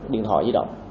điện thoại di động